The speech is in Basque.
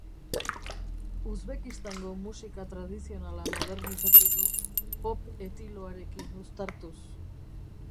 Uzbekistango musika tradizionala modernizatu du pop etiloarekin uztartuz.